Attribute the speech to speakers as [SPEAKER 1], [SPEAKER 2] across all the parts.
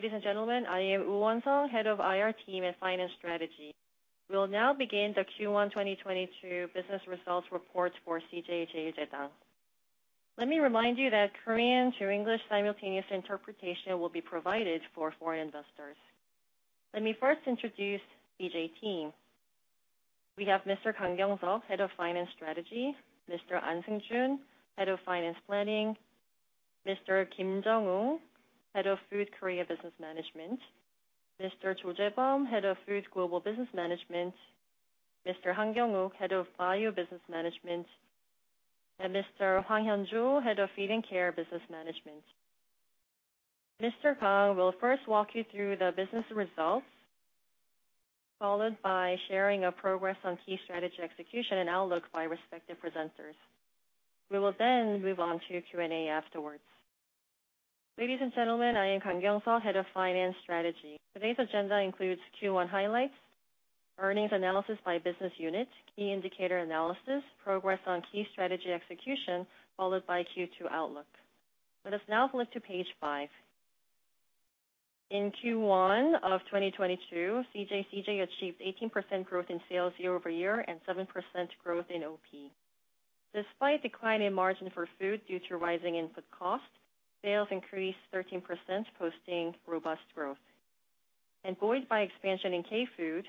[SPEAKER 1] Ladies and gentlemen, I am Woo Won-sung, Head of IR Team and Finance Strategy. We'll now begin the Q1 2022 business results report for CJ CheilJedang. Let me remind you that Korean to English simultaneous interpretation will be provided for foreign investors. Let me first introduce CJ team. We have Mr. Kang Kyoung-suk, Head of Finance Strategy. Mr. Ahn Sung Jun, Head of Finance Planning. Mr. Kim Jong-won, Head of Food Korea Business Management. Mr. Cho Jae-bom, Head of Food Global Business Management. Mr. Han Kyung-uk, Head of Bio Business Management. Mr. Hwang Hyun-jo, Head of Feed & Care Business Management. Mr. Kang will first walk you through the business results, followed by sharing a progress on key strategy execution and outlook by respective presenters. We will then move on to Q&A afterwards.
[SPEAKER 2] Ladies and gentlemen, I am Kang Kyoung-suk, Head of Finance Strategy. Today's agenda includes Q1 highlights, earnings analysis by business unit, key indicator analysis, progress on key strategy execution, followed by Q2 outlook. Let us now flip to page five. In Q1 of 2022, CJ CheilJedang achieved 18% growth in sales year-over-year and 7% growth in OP. Despite decline in margin for food due to rising input costs, sales increased 13%, posting robust growth. Buoyed by expansion in K-food,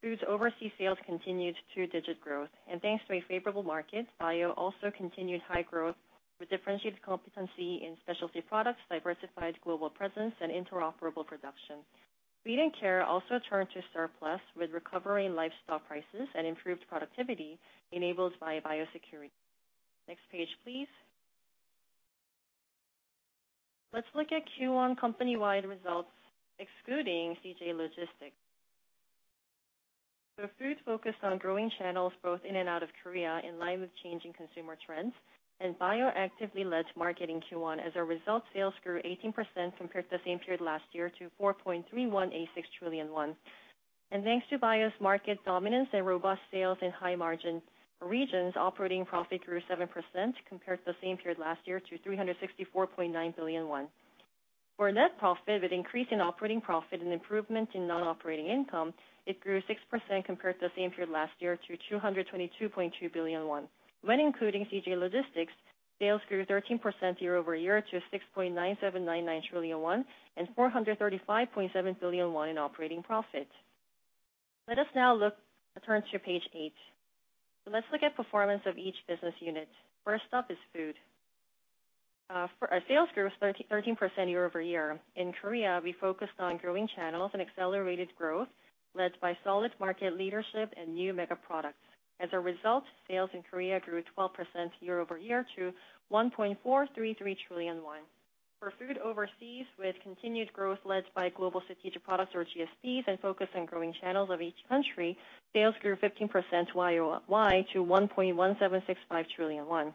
[SPEAKER 2] Foods overseas sales continued two-digit growth. Thanks to a favorable market, Bio also continued high growth with differentiated competency in specialty products, diversified global presence and interoperable production. Feed & Care also turned to surplus with recovery in livestock prices and improved productivity enabled by biosecurity. Next page, please. Let's look at Q1 company-wide results excluding CJ Logistics. Food focused on growing channels both in and out of Korea in line with changing consumer trends, and Bio actively led market in Q1. As a result, sales grew 18% compared to the same period last year to 4.3186 trillion won. Thanks to Bio's market dominance and robust sales in high margin regions, operating profit grew 7% compared to the same period last year to 364.9 billion won. For net profit, with increase in operating profit and improvement in non-operating income, it grew 6% compared to the same period last year to 222.2 billion won. When including CJ Logistics, sales grew 13% year-over-year to 6.9799 trillion won and 435.7 billion won in operating profit. Let us now turn to page eight. Let's look at performance of each business unit. First up is Food. For our sales grew 13% year-over-year. In Korea, we focused on growing channels and accelerated growth, led by solid market leadership and new mega products. As a result, sales in Korea grew 12% year-over-year to 1.433 trillion won. For Food overseas, with continued growth led by Global Strategic Products, or GSPs, and focus on growing channels of each country, sales grew 15% year-over-year to 1.1765 trillion won.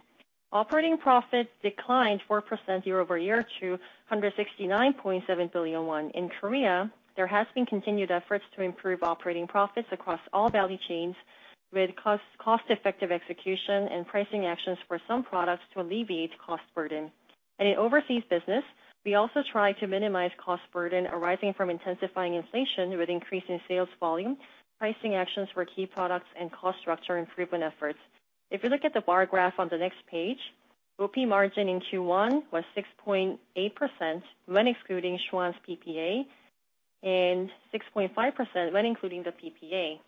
[SPEAKER 2] Operating profit declined 4% year-over-year to 169.7 billion won. In Korea, there has been continued efforts to improve operating profits across all value chains with cost-effective execution and pricing actions for some products to alleviate cost burden. In overseas business, we also try to minimize cost burden arising from intensifying inflation with increasing sales volume, pricing actions for key products and cost structure improvement efforts. If you look at the bar graph on the next page, OP margin in Q1 was 6.8% when excluding Schwan's PPA, and 6.5% when including the PPA.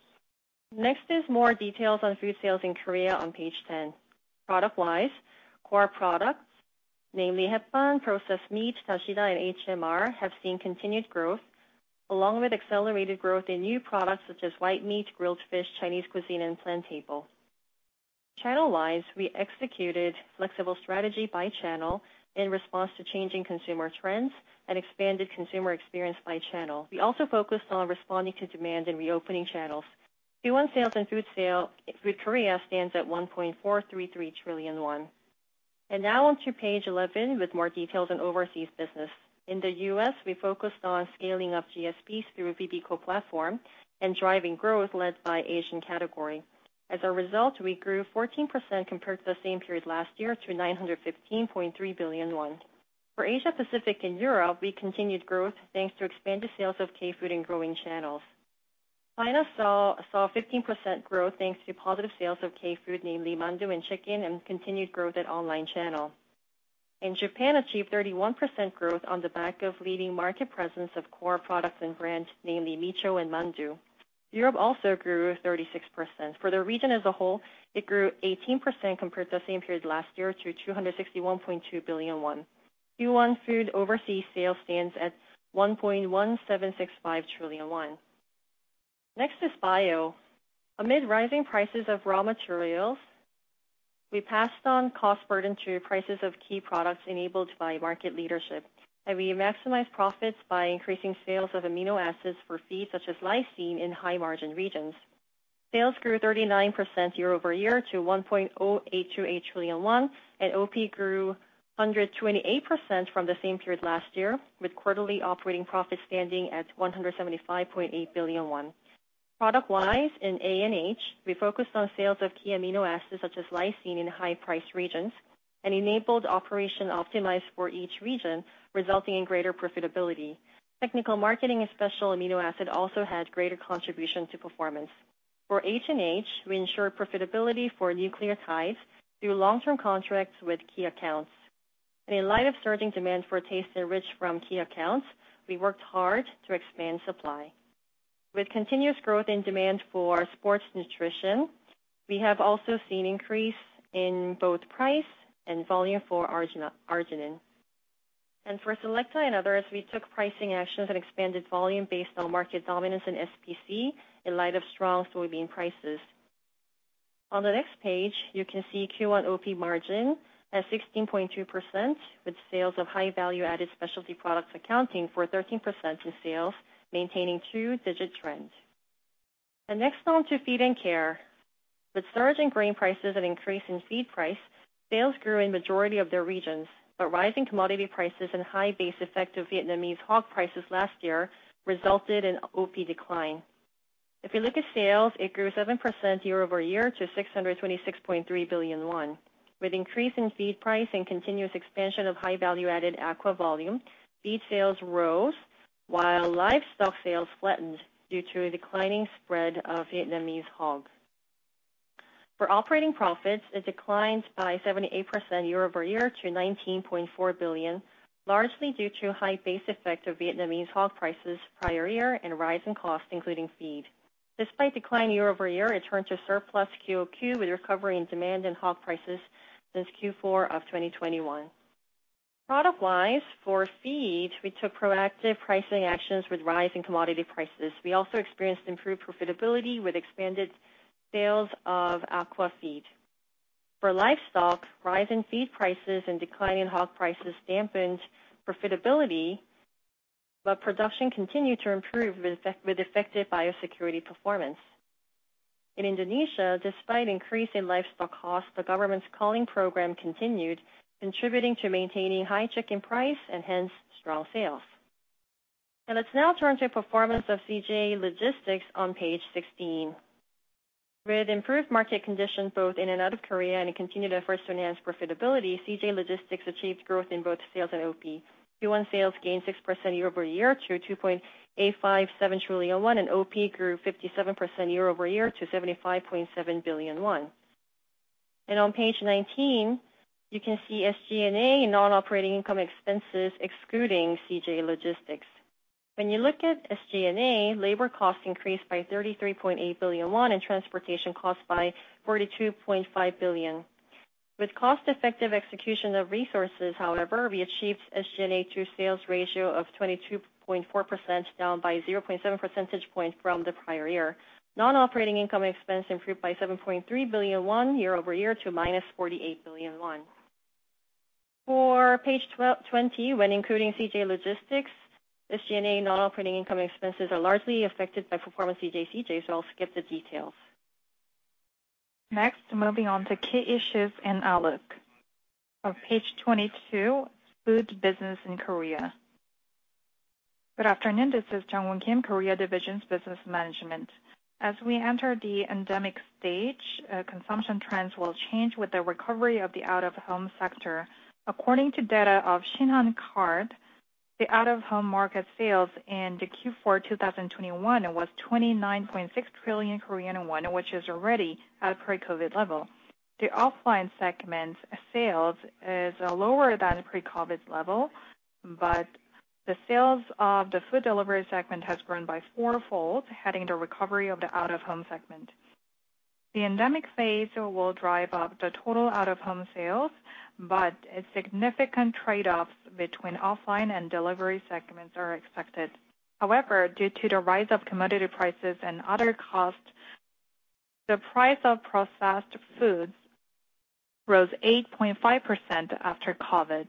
[SPEAKER 2] Next is more details on Food sales in Korea on page 10. Product-wise, core products, namely Hetbahn, processed meat, Dasida, and HMR, have seen continued growth, along with accelerated growth in new products such as white meat, grilled fish, Chinese cuisine, and PlanTable. Channel-wise, we executed flexible strategy by channel in response to changing consumer trends and expanded consumer experience by channel. We also focused on responding to demand and reopening channels. Q1 sales in Food sales, Food Korea stands at 1.433 trillion won. Now on to page eleven with more details on overseas business. In the US, we focused on scaling up GSPs through bibigo platform and driving growth led by Asian category. As a result, we grew 14% compared to the same period last year to 915.3 billion won. For Asia Pacific and Europe, we continued growth thanks to expanded sales of K-food in growing channels. China saw 15% growth thanks to positive sales of K-food, namely mandu and chicken, and continued growth at online channel. Japan achieved 31% growth on the back of leading market presence of core products and brands, namely miso and mandu. Europe also grew 36%. For the region as a whole, it grew 18% compared to the same period last year to 261.2 billion won. Q1 Food overseas sales stands at 1.1765 trillion won. Next is Bio. Amid rising prices of raw materials, we passed on cost burden through prices of key products enabled by market leadership. We maximize profits by increasing sales of amino acids for feed such as lysine in high margin regions. Sales grew 39% year-over-year to 1.0828 trillion won, and OP grew 128% from the same period last year, with quarterly operating profit standing at KRW 175.8 billion. Product-wise, in ANH, we focused on sales of key amino acids, such as lysine in high price regions, and enabled operation optimized for each region, resulting in greater profitability. Technical marketing and special amino acid also had greater contribution to performance. For HNH, we ensure profitability for nucleotides through long-term contracts with key accounts. In light of surging demand for TasteNrich from key accounts, we worked hard to expand supply. With continuous growth in demand for sports nutrition, we have also seen increase in both price and volume for arginine. For Selecta and others, we took pricing actions and expanded volume based on market dominance in SPC in light of strong soybean prices. On the next page, you can see Q1 OP margin at 16.2% with sales of high value-added specialty products accounting for 13% in sales, maintaining two-digit trend. Next on to Feed&Care. With surge in grain prices and increase in feed price, sales grew in majority of their regions. Rising commodity prices and high base effect of Vietnamese hog prices last year resulted in OP decline. If you look at sales, it grew 7% year-over-year to 626.3 billion won. With increase in feed price and continuous expansion of high value-added aqua volume, feed sales rose, while livestock sales flattened due to a declining spread of Vietnamese hogs. For operating profits, it declined by 78% year-over-year to 19.4 billion, largely due to high base effect of Vietnamese hog prices prior year and rise in cost, including feed. Despite decline year-over-year, it turned to surplus QOQ with recovery in demand in hog prices since Q4 of 2021. Product-wise, for feed, we took proactive pricing actions with rising commodity prices. We also experienced improved profitability with expanded sales of aqua feed. For livestock, rise in feed prices and decline in hog prices dampened profitability, but production continued to improve with effective biosecurity performance. In Indonesia, despite increase in livestock costs, the government's culling program continued, contributing to maintaining high chicken price and hence strong sales. Let's now turn to performance of CJ Logistics on page 16. With improved market conditions both in and out of Korea and a continued effort to enhance profitability, CJ Logistics achieved growth in both sales and OP. Q1 sales gained 6% year-over-year to 2.857 trillion won, and OP grew 57% year-over-year to 75.7 billion won. On page 19, you can see SG&A non-operating income expenses excluding CJ Logistics. When you look at SG&A, labor costs increased by 33.8 billion won, and transportation costs by 42.5 billion. With cost-effective execution of resources, however, we achieved SG&A to sales ratio of 22.4%, down by 0.7 percentage point from the prior year. Non-operating income expense improved by 7.3 billion year over year to -48 billion. For page 20, when including CJ Logistics, SG&A non-operating income expenses are largely affected by performance CJ, so I'll skip the details.
[SPEAKER 3] Next, moving on to key issues and outlook. On page 22, Food business in Korea. Good afternoon, this is Kim Jong-won, Korea Division's Business Management. As we enter the endemic stage, consumption trends will change with the recovery of the out of home sector. According to data of Shinhan Card, the out of home market sales in the Q4 2021 was 29.6 trillion Korean won, which is already at pre-COVID level. The offline segment sales is lower than pre-COVID level, but the sales of the food delivery segment has grown by fourfold, heading the recovery of the out of home segment. The endemic phase will drive up the total out of home sales, but a significant trade-offs between offline and delivery segments are expected. However, due to the rise of commodity prices and other costs, the price of processed foods rose 8.5% after COVID.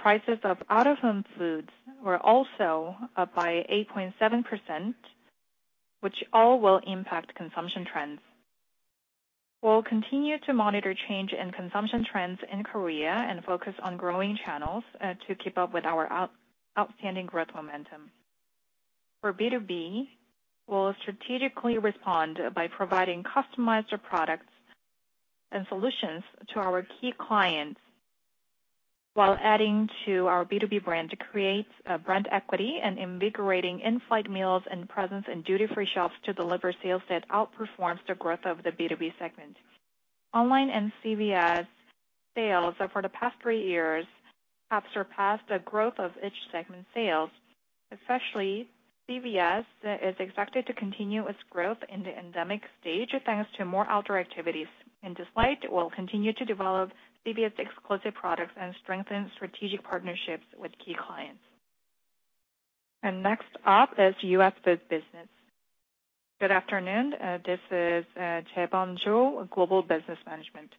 [SPEAKER 3] Prices of out of home foods were also up by 8.7%, which all will impact consumption trends. We'll continue to monitor change in consumption trends in Korea and focus on growing channels to keep up with our outstanding growth momentum. For B2B, we'll strategically respond by providing customized products and solutions to our key clients, while adding to our B2B brand to create brand equity and invigorating in-flight meals and presence in duty-free shops to deliver sales that outperforms the growth of the B2B segment. Online and CVS sales for the past three years have surpassed the growth of each segment sales, especially CVS is expected to continue its growth in the endemic stage, thanks to more outdoor activities. In this light, we'll continue to develop CVS exclusive products and strengthen strategic partnerships with key clients. Next up is U.S. Food business.
[SPEAKER 4] Good afternoon, this is Cho Jae-bom, Global Business Management.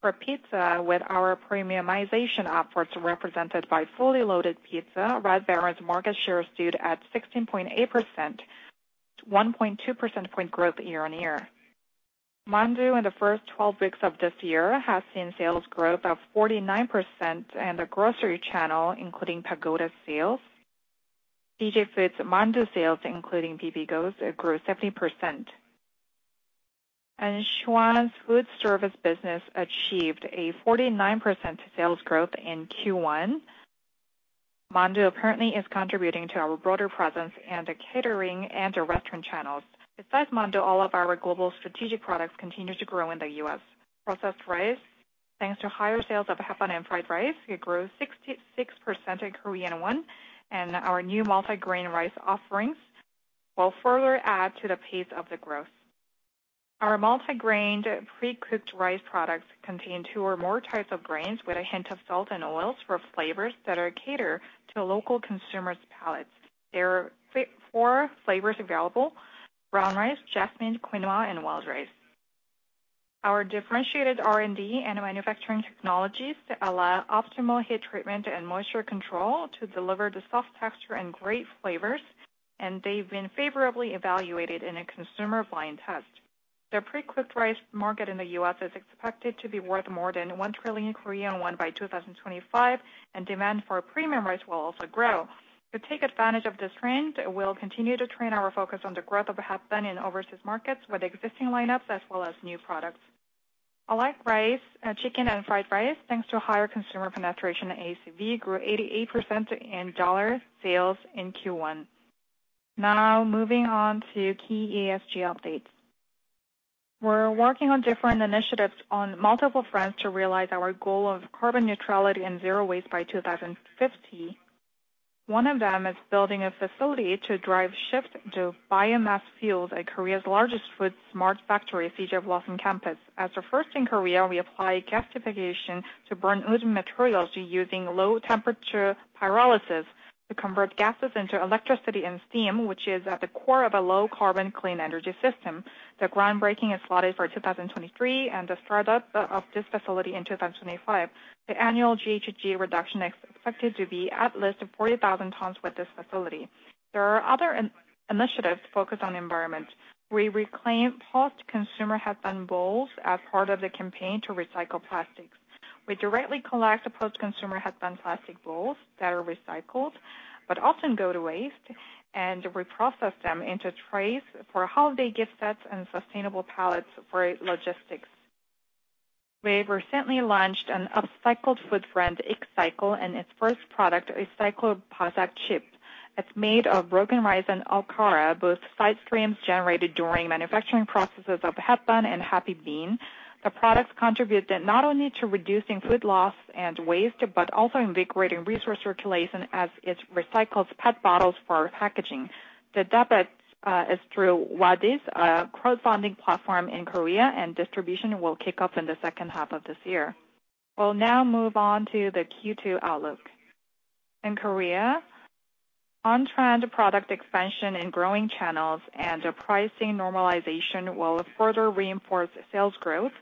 [SPEAKER 4] For pizza, with our premiumization efforts represented by Fully Loaded Pizza, Red Baron's market share stood at 16.8%, 1.2 percentage point growth year-over-year. Mandu in the first 12 weeks of this year has seen sales growth of 49% in the grocery channel, including Pagoda sales. CJ Foods mandu sales, including bibigo's, it grew 70%. Schwan's food service business achieved a 49% sales growth in Q1. Mandu apparently is contributing to our broader presence in the catering and the restaurant channels. Besides mandu, all of our global strategic products continue to grow in the U.S. Processed rice, thanks to higher sales of Hetbahn and fried rice, it grew 66% in Korean won, and our new multigrain rice offerings will further add to the pace of the growth. Our multigrain precooked rice products contain two or more types of grains with a hint of salt and oils for flavors that cater to the local consumers' palates. There are four flavors available, brown rice, jasmine, quinoa, and wild rice. Our differentiated R&D and manufacturing technologies allow optimal heat treatment and moisture control to deliver the soft texture and great flavors, and they've been favorably evaluated in a consumer blind test. The precooked rice market in the U.S. Is expected to be worth more than 1 trillion Korean won by 2025, and demand for premium rice will also grow. To take advantage of this trend, we'll continue to turn our focus on the growth of Hetbahn in overseas markets with existing lineups as well as new products. Like rice, chicken and fried rice, thanks to higher consumer penetration, ACV grew 88% in dollar sales in Q1. Now moving on to key ESG updates. We're working on different initiatives on multiple fronts to realize our goal of carbon neutrality and zero waste by 2050. One of them is building a facility to drive shift to biomass fuels at Korea's largest food smart factory, CJ Blossom Campus. As a first in Korea, we apply gasification to burn wood materials using low-temperature pyrolysis to convert gases into electricity and steam, which is at the core of a low-carbon clean energy system. The groundbreaking is slotted for 2023, and the startup of this facility in 2025. The annual GHG reduction is expected to be at least 40,000 tons with this facility. There are other initiatives focused on environment. We reclaim post-consumer Hetbahn bowls as part of the campaign to recycle plastics. We directly collect post-consumer Hetbahn plastic bowls that are recycled but often go to waste, and we process them into trays for holiday gift sets and sustainable pallets for logistics. We recently launched an upcycled food brand, Excycle, and its first product, Excycle Basak Chip. It's made of broken rice and okara, both side streams generated during manufacturing processes of Hetbahn and Happy Bean. The products contribute not only to reducing food loss and waste, but also invigorating resource circulation as it recycles PET bottles for packaging. The debut is through Wadiz, a crowdfunding platform in Korea, and distribution will kick off in the second half of this year. We'll now move on to the Q2 outlook. In Korea, on-trend product expansion in growing channels and a pricing normalization will further reinforce sales growth,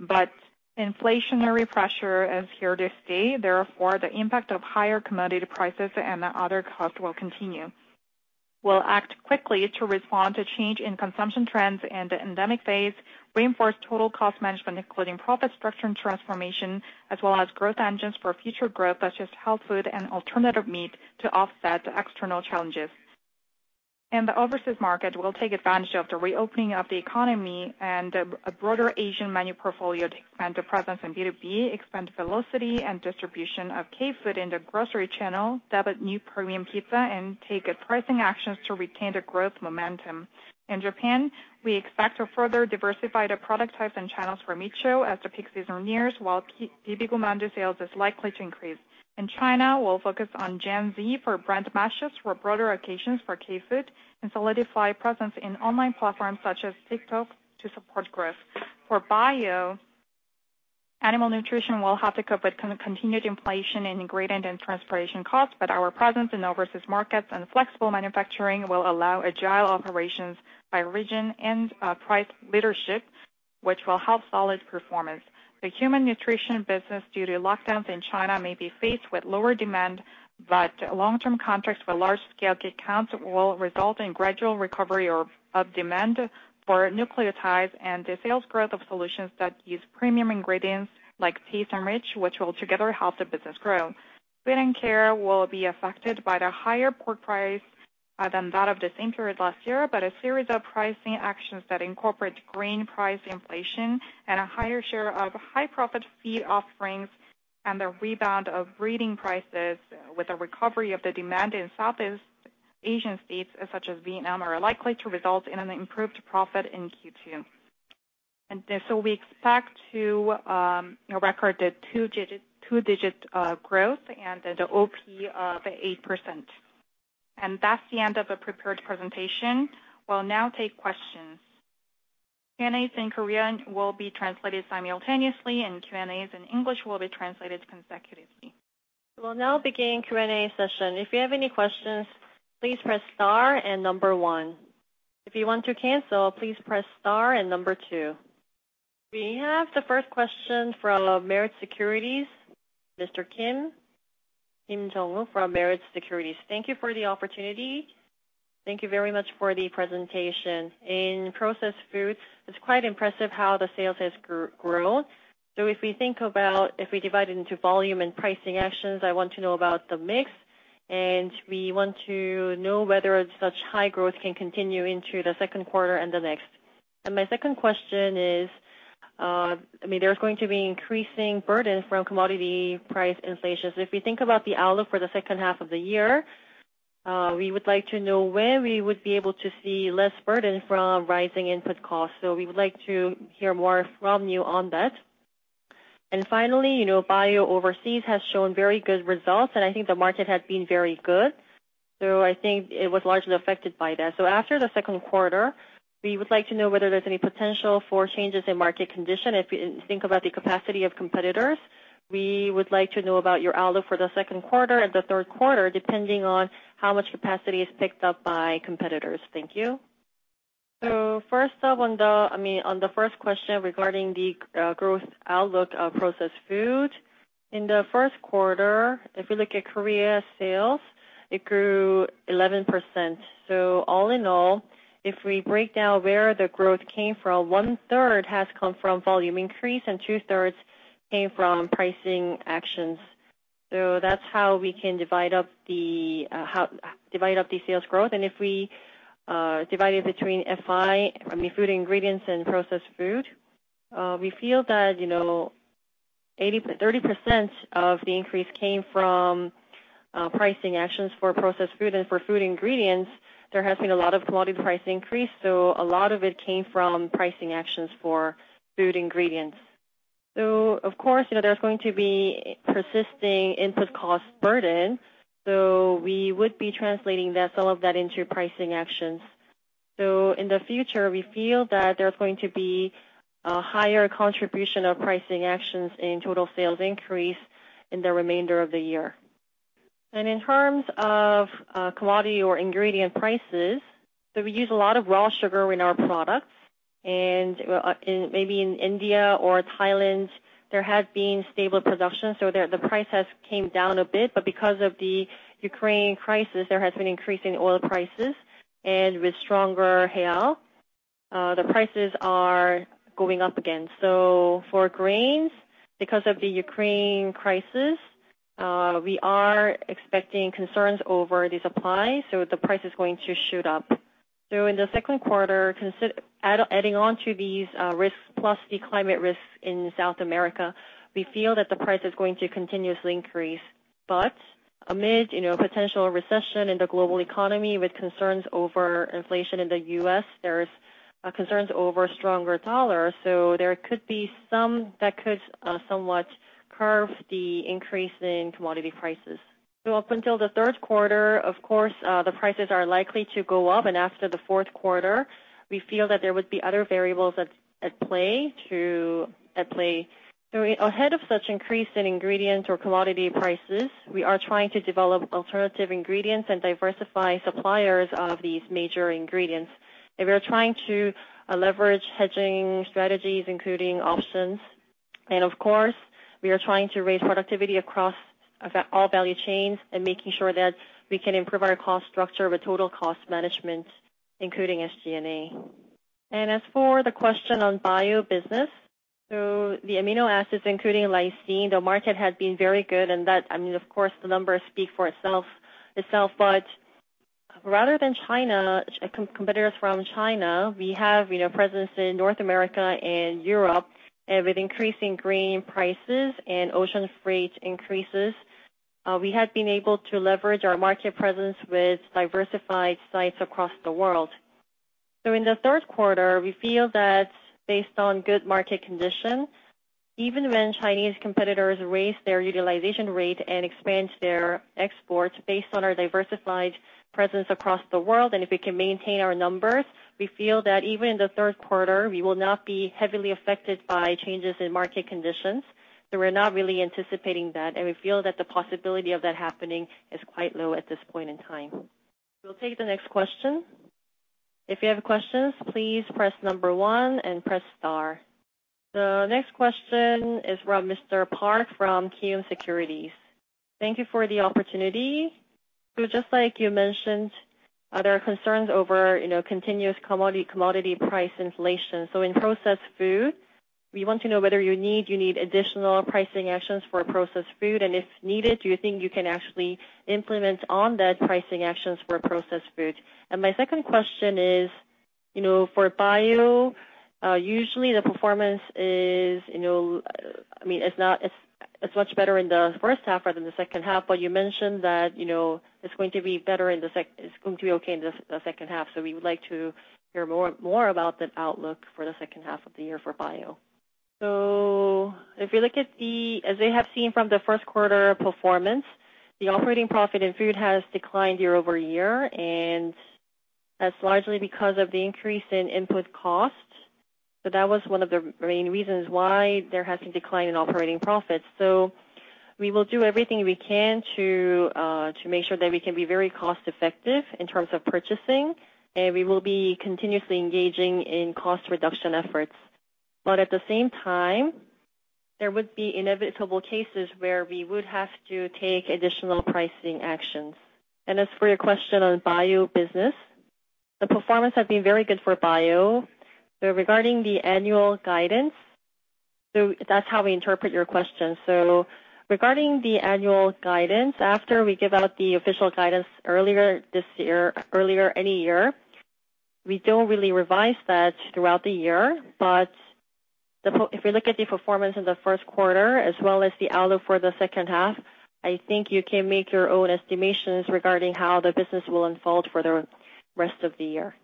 [SPEAKER 4] but inflationary pressure is here to stay. Therefore, the impact of higher commodity prices and other costs will continue. We'll act quickly to respond to change in consumption trends in the endemic phase, reinforce total cost management, including profit structure and transformation, as well as growth engines for future growth, such as health food and alternative meat to offset external challenges. In the overseas market, we'll take advantage of the reopening of the economy and a broader Asian menu portfolio to expand the presence in B2B, expand velocity and distribution of K-food in the grocery channel, debut new premium pizza, and take pricing actions to retain the growth momentum. In Japan, we expect to further diversify the product types and channels for Micho as the peak season nears, while bibigo mandu sales is likely to increase. In China, we'll focus on Gen Z for brand matches, for broader occasions for K-food, and solidify presence in online platforms such as TikTok to support growth. For Bio, animal nutrition will have to cope with continued inflation in ingredient and transportation costs, but our presence in overseas markets and flexible manufacturing will allow agile operations by region and price leadership, which will help solid performance. The human nutrition business, due to lockdowns in China, may be faced with lower demand, but long-term contracts with large-scale key accounts will result in gradual recovery of demand for nucleotides and the sales growth of solutions that use premium ingredients like TasteNrich, which will together help the business grow. Feed&Care will be affected by the higher pork price than that of the same period last year, but a series of pricing actions that incorporate grain price inflation and a higher share of high-profit feed offerings and the rebound of breeding prices with a recovery of the demand in Southeast Asian states such as Vietnam are likely to result in an improved profit in Q2. We expect to, you know, record the two-digit growth and the OP of 8%. That's the end of the prepared presentation. We'll now take questions.
[SPEAKER 5] Q&As in Korean will be translated simultaneously, and Q&As in English will be translated consecutively. We'll now begin Q&A session. If you have any questions, please press star and number one. If you want to cancel, please press star and number two. We have the first question from Meritz Securities, Mr. Kim Jung Wook. Kim Jung Wook from Meritz Securities.
[SPEAKER 6] Thank you for the opportunity. Thank you very much for the presentation. In processed foods, it's quite impressive how the sales has grown. So if we think about if we divide it into volume and pricing actions, I want to know about the mix, and we want to know whether such high growth can continue into the second quarter and the next. My second question is, I mean, there's going to be increasing burden from commodity price inflation. If we think about the outlook for the second half of the year, we would like to know when we would be able to see less burden from rising input costs. We would like to hear more from you on that. Finally, Bio overseas has shown very good results, and I think the market has been very good. I think it was largely affected by that. After the second quarter, we would like to know whether there's any potential for changes in market condition. If you think about the capacity of competitors, we would like to know about your outlook for the second quarter and the third quarter, depending on how much capacity is picked up by competitors. Thank you.
[SPEAKER 2] First up, on the first question regarding the growth outlook of processed food. In the first quarter, if you look at Korea sales, it grew 11%. All in all, if we break down where the growth came from, 1/3 has come from volume increase and 2/3 came from pricing actions. That's how we can divide up the sales growth. If we divide it between FI, I mean, food ingredients and processed food, we feel that, you know, 80-30% of the increase came from pricing actions for processed food. For food ingredients, there has been a lot of commodity price increase, so a lot of it came from pricing actions for food ingredients. Of course, you know, there's going to be persistent input cost burden, so we would be translating that, some of that into pricing actions. In the future, we feel that there's going to be a higher contribution of pricing actions in total sales increase in the remainder of the year. In terms of commodity or ingredient prices, we use a lot of raw sugar in our products, and in maybe India or Thailand, there has been stable production, so the price has came down a bit. Because of the Ukraine crisis, there has been increase in oil prices, and with stronger hail, the prices are going up again. For grains, because of the Ukraine crisis, we are expecting concerns over the supply, so the price is going to shoot up. In the second quarter, adding on to these risks plus the climate risks in South America, we feel that the price is going to continuously increase. Amid, you know, potential recession in the global economy with concerns over inflation in the U.S., there's concerns over stronger dollar, so there could be some that could somewhat curb the increase in commodity prices. Up until the third quarter, of course, the prices are likely to go up, and after the fourth quarter, we feel that there would be other variables at play. Ahead of such increase in ingredient or commodity prices, we are trying to develop alternative ingredients and diversify suppliers of these major ingredients. We are trying to leverage hedging strategies, including options. Of course, we are trying to raise productivity across all value chains and making sure that we can improve our cost structure with total cost management, including SG&A. As for the question on Bio business, so the amino acids, including lysine, the market has been very good, and that, I mean, of course, the numbers speak for itself. But rather than China, competitors from China, we have, you know, presence in North America and Europe. With increasing grain prices and ocean freight increases, we have been able to leverage our market presence with diversified sites across the world. In the third quarter, we feel that based on good market conditions, even when Chinese competitors raise their utilization rate and expand their exports based on our diversified presence across the world, and if we can maintain our numbers, we feel that even in the third quarter, we will not be heavily affected by changes in market conditions. We're not really anticipating that, and we feel that the possibility of that happening is quite low at this point in time.
[SPEAKER 5] We'll take the next question. If you have questions, please press one and press star. The next question is from Mr. Park from KB Securities.
[SPEAKER 7] Thank you for the opportunity. Just like you mentioned, are there concerns over continuous commodity price inflation? In processed food, we want to know whether you need additional pricing actions for processed food, and if needed, do you think you can actually implement on that pricing actions for processed food? My second question is, for Bio, usually the performance is, I mean, it's much better in the first half rather than the second half, but you mentioned that, you know, it's going to be okay in the second half. We would like to hear more about the outlook for the second half of the year for Bio.
[SPEAKER 4] If you look at the first quarter performance, the operating profit in food has declined year-over-year, and that's largely because of the increase in input costs. That was one of the main reasons why there has been decline in operating profits. We will do everything we can to make sure that we can be very cost effective in terms of purchasing, and we will be continuously engaging in cost reduction efforts. At the same time, there would be inevitable cases where we would have to take additional pricing actions. As for your question on Bio business, the performance have been very good for Bio. Regarding the annual guidance, that's how we interpret your question. Regarding the annual guidance, after we give out the official guidance earlier this year, earlier any year, we don't really revise that throughout the year. If we look at the performance in the first quarter as well as the outlook for the second half, I think you can make your own estimations regarding how the business will unfold for the rest of the year.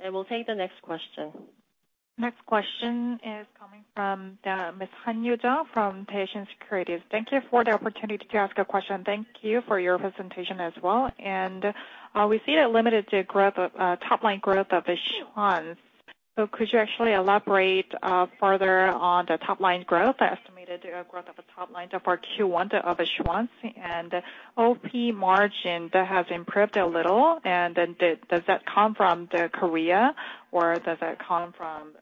[SPEAKER 5] We'll take the next question. Next question is coming from Ms. Han Yoo-jung from [Patients Creative].
[SPEAKER 8] Thank you for the opportunity to ask a question. Thank you for your presentation as well. We see a limited growth, top line growth of Schwan's. Could you actually elaborate further on the top line growth, estimated growth of the top line of our Q1 of Schwan's? OP margin that has improved a little, and then does that come from the Korea or does that come from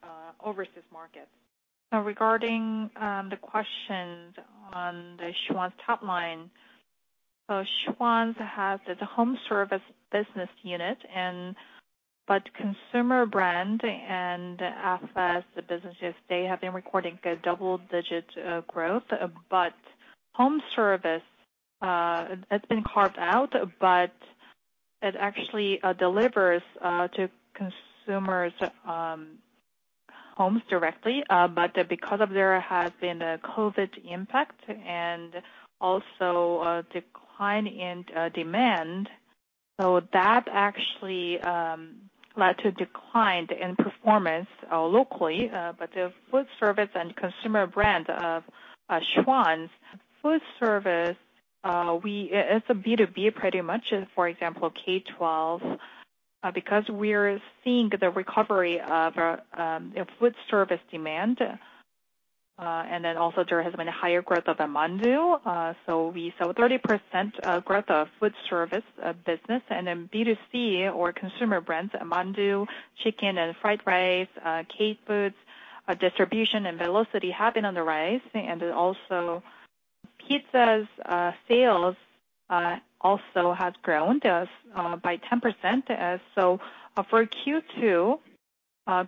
[SPEAKER 8] overseas markets?
[SPEAKER 4] Regarding the question on the Schwan's top line, Schwan's has the home service business unit, but consumer brand and FS businesses, they have been recording a double-digit growth. But home service, it's been carved out, but it actually delivers to consumers' homes directly. But because there has been a COVID impact and also a decline in demand, so that actually led to decline in performance locally. The food service and consumer brand of Schwan's food service. It's a B2B pretty much, for example, K12. Because we're seeing the recovery of food service demand, and then also there has been a higher growth of the mandu. We saw 30% growth of food service business. B2C or consumer brands, mandu, chicken and fried rice, K-foods distribution and velocity have been on the rise. Pizzas sales also has grown by 10%. For Q2,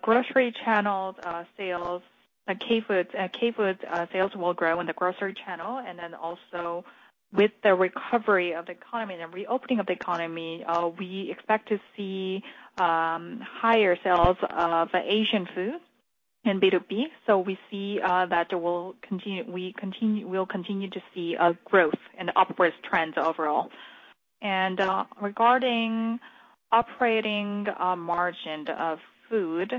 [SPEAKER 4] grocery channel sales, K-food sales will grow in the grocery channel. With the recovery of the economy and reopening of the economy, we expect to see higher sales of Asian food in B2B. We'll continue to see growth and upward trends overall. Regarding operating margin of food,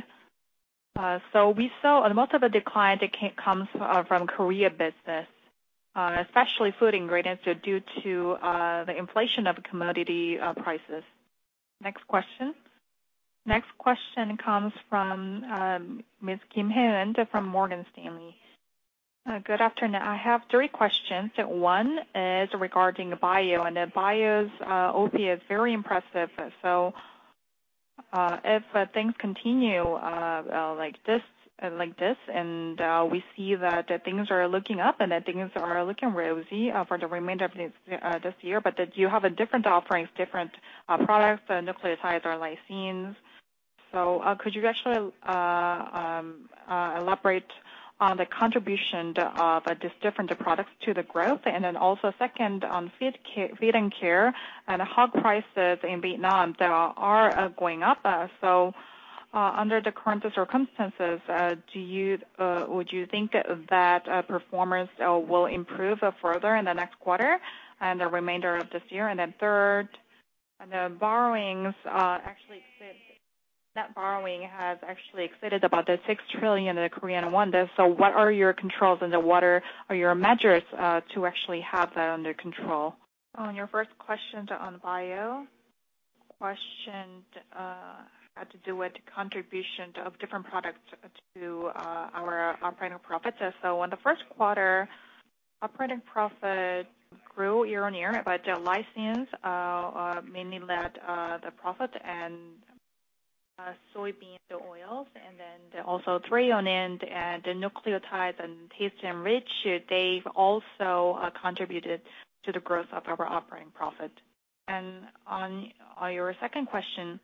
[SPEAKER 4] we saw most of the decline comes from Korea business, especially food ingredients due to the inflation of commodity prices.
[SPEAKER 5] Next question comes from [Ms. Kim Hyun] from Morgan Stanley.
[SPEAKER 9] Good afternoon. I have three questions. One is regarding Bio, and Bio's OP is very impressive. If things continue like this, we see that things are looking up and that things are looking rosy for the remainder of this year, but you have different products, nucleotides or lysines. Could you actually elaborate on the contribution of these different products to the growth? Second on Feed&Care and hog prices in Vietnam that are going up. Under the current circumstances, would you think that performance will improve further in the next quarter and the remainder of this year? Third, the borrowings, actually, net borrowing has actually exceeded about 6 trillion. What are your controls and what are your measures to actually have that under control?
[SPEAKER 4] On your first question on Bio, question had to do with contribution of different products to our operating profits. On the first quarter, operating profit grew year-on-year, but the lysine mainly led the profit and soybean oils and then also trehalose and the nucleotides and TasteNrich, they've also contributed to the growth of our operating profit. On your second question,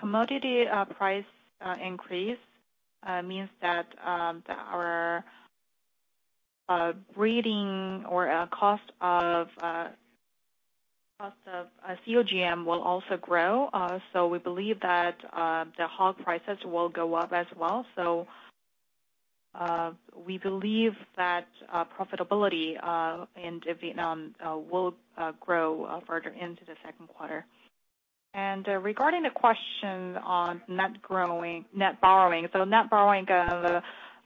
[SPEAKER 4] commodity price increase means that our breeding cost of COGM will also grow. We believe that the hog prices will go up as well. We believe that profitability in Vietnam will grow further into the second quarter. Regarding the question on net borrowing. Net borrowing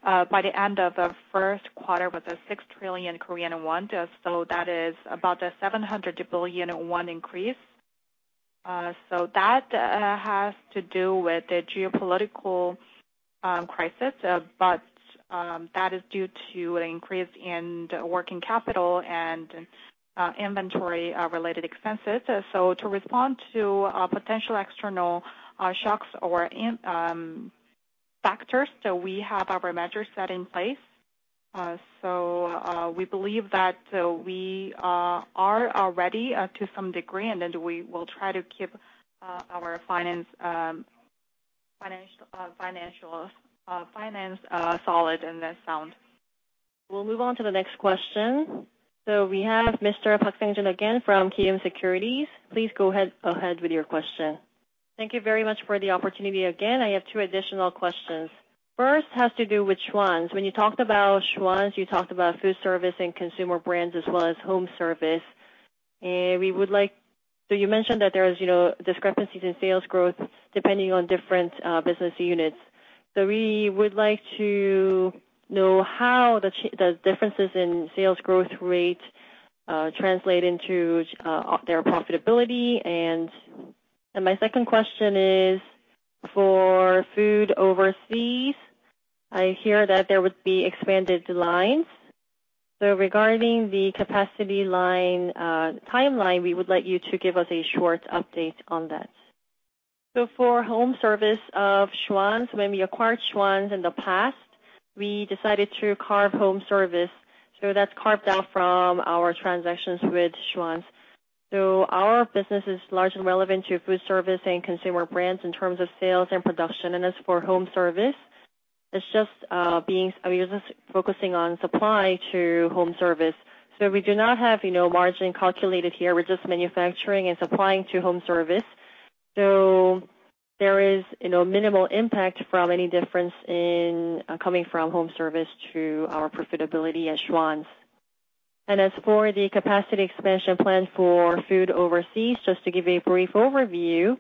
[SPEAKER 4] by the end of the first quarter was 6 trillion Korean won. That is about a 700 billion won increase. That has to do with the geopolitical crisis. That is due to an increase in the working capital and, inventory, related expenses. To respond to, potential external, shocks or factors, we have our measures set in place. We believe that, we, are already, to some degree, and then we will try to keep, our financials, solid and, sound.
[SPEAKER 5] We'll move on to the next question. We have Mr. Park Sang-joon again from KB Securities. Please go ahead with your question.
[SPEAKER 7] Thank you very much for the opportunity again. I have two additional questions. First has to do with Schwan's. When you talked about Schwan's, you talked about food service and consumer brands as well as home service. You mentioned that there is, you know, discrepancies in sales growth depending on different business units. We would like to know how the differences in sales growth rate translate into their profitability. My second question is for food overseas. I hear that there would be expanded lines. Regarding the capacity line timeline, we would like you to give us a short update on that.
[SPEAKER 2] For home service of Schwan's, when we acquired Schwan's in the past, we decided to carve-out home service. That's carved out from our transactions with Schwan's. Our business is largely relevant to food service and consumer brands in terms of sales and production. As for home service, it's just we're just focusing on supply to home service. We do not have, you know, margin calculated here. We're just manufacturing and supplying to home service. There is minimal impact from any difference in coming from home service to our profitability at Schwan's. As for the capacity expansion plan for food overseas, just to give a brief overview.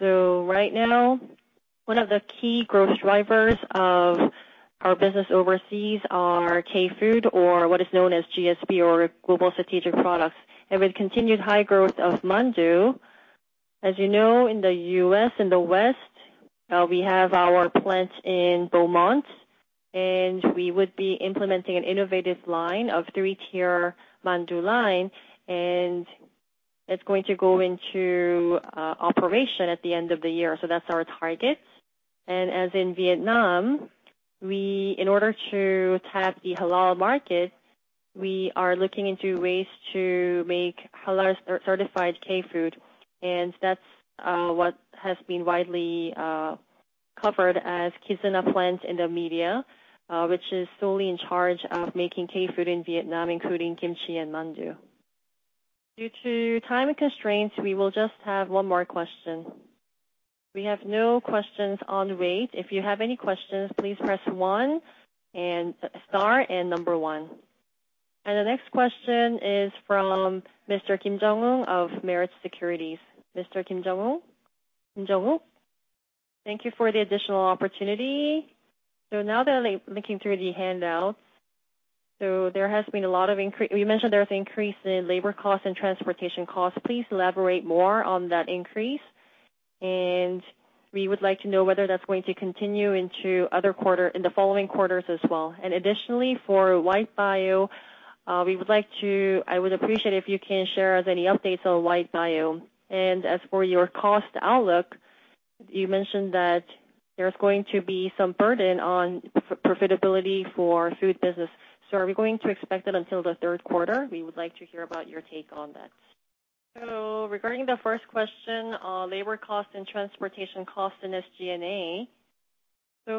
[SPEAKER 2] Right now, one of the key growth drivers of our business overseas are K-food, or what is known as GSP, or Global Strategic Products. With continued high growth of mandu in the U.S., in the West, we have our plant in Beaumont, and we would be implementing an innovative line of three-tier mandu line, and it's going to go into operation at the end of the year. That's our target. In Vietnam, we, in order to tap the halal market, are looking into ways to make halal-certified K-food, and that's what has been widely covered as Kizuna plant in the media, which is solely in charge of making K-food in Vietnam, including kimchi and mandu.
[SPEAKER 5] Due to time constraints, we will just have one more question. We have no questions waiting. If you have any questions, please press star one. The next question is from Mr. Kim Jung Wook of Meritz Securities. Mr. Kim Jung Wook? Kim Jung Wook?
[SPEAKER 6] Thank you for the additional opportunity. Now that I'm looking through the handout, there has been a lot of increase. You mentioned there was increase in labor cost and transportation cost. Please elaborate more on that increase. We would like to know whether that's going to continue into other quarter, in the following quarters as well. Additionally, for White Bio, I would appreciate if you can share with us any updates on White Bio. As for your cost outlook, you mentioned that there's going to be some burden on profitability for food business. Are we going to expect it until the third quarter? We would like to hear about your take on that.
[SPEAKER 2] Regarding the first question on labor cost and transportation cost and SG&A,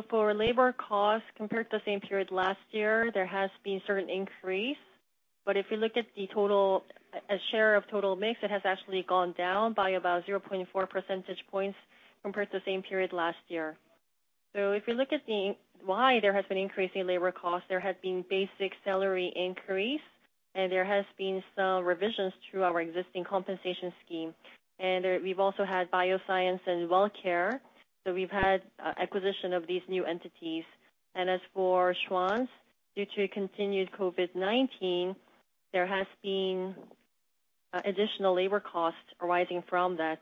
[SPEAKER 2] for labor cost, compared to the same period last year, there has been certain increase. If you look at the total, a share of total mix, it has actually gone down by about 0.4 percentage points compared to the same period last year. If you look at why there has been increase in labor cost, there has been basic salary increase, and there has been some revisions through our existing compensation scheme. We've also had Bioscience and Wellcare, so we've had acquisition of these new entities. As for Schwan's, due to continued COVID-19, there has been additional labor costs arising from that.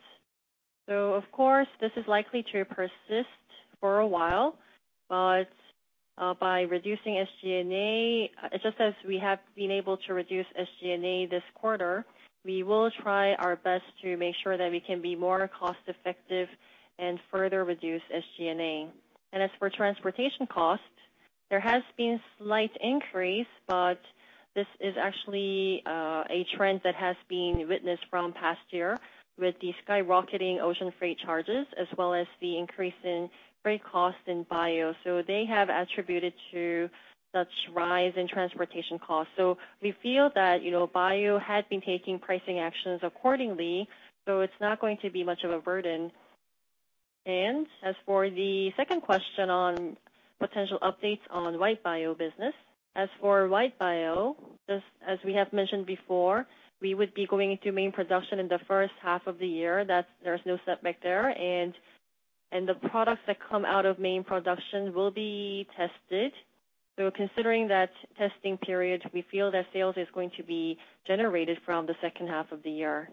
[SPEAKER 2] Of course, this is likely to persist for a while, but by reducing SG&A, just as we have been able to reduce SG&A this quarter, we will try our best to make sure that we can be more cost-effective and further reduce SG&A. As for transportation costs, there has been slight increase, but this is actually a trend that has been witnessed from past year with the skyrocketing ocean freight charges, as well as the increase in freight costs in Bio. They have contributed to such rise in transportation costs. We feel that, you know, Bio had been taking pricing actions accordingly, so it's not going to be much of a burden. As for the second question on potential updates on White Bio business. As for White Bio, just as we have mentioned before, we would be going into main production in the first half of the year. There's no setback there. The products that come out of main production will be tested. Considering that testing period, we feel that sales is going to be generated from the second half of the year.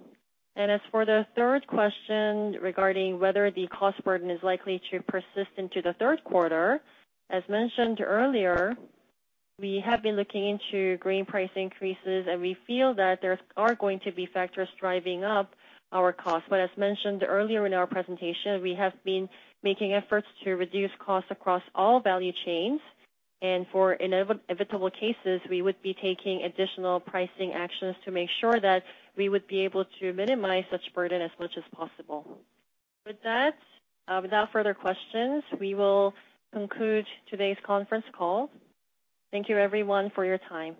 [SPEAKER 2] As for the third question regarding whether the cost burden is likely to persist into the third quarter, as mentioned earlier, we have been looking into grain price increases, and we feel that there are going to be factors driving up our costs. As mentioned earlier in our presentation, we have been making efforts to reduce costs across all value chains. For inevitable cases, we would be taking additional pricing actions to make sure that we would be able to minimize such burden as much as possible.
[SPEAKER 1] With that, without further questions, we will conclude today's conference call. Thank you everyone for your time.